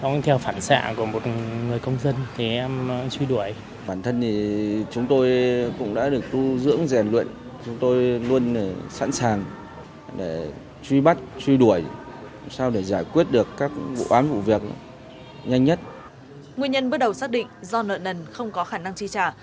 nguyên nhân bước đầu xác định do nợ nần không có khả năng chi trả